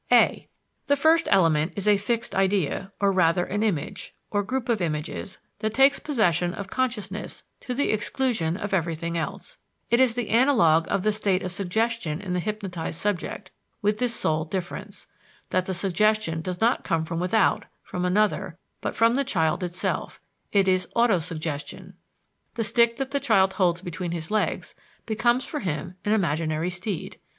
a. The first element is a fixed idea, or rather, an image, or group of images, that takes possession of consciousness to the exclusion of everything else: it is the analogue of the state of suggestion in the hypnotized subject, with this sole difference that the suggestion does not come from without, from another, but from the child itself it is auto suggestion. The stick that the child holds between his legs becomes for him an imaginary steed.